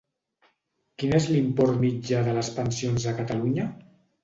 Quin és l'import mitjà de les pensions a Catalunya?